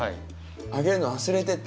あげるの忘れてて。